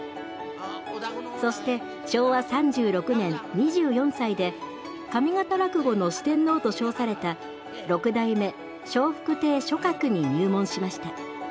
そして昭和３６年２４歳で上方落語の四天王と称された六代目笑福亭松鶴に入門しました。